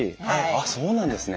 あっそうなんですね。